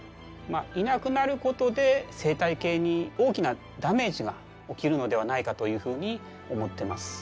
いなくなることで生態系に大きなダメージが起きるのではないかというふうに思ってます。